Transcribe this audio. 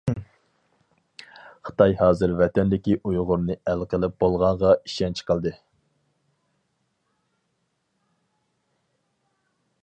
خىتاي ھازىر ۋەتەندىكى ئۇيغۇرنى ئەل قىلىپ بولغانغا ئىشەنچ قىلدى.